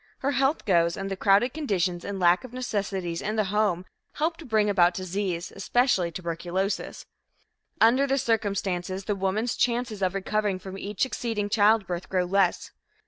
Her health goes, and the crowded conditions and lack of necessities in the home help to bring about disease especially tuberculosis. Under the circumstances, the woman's chances of recovering from each succeeding childbirth grow less.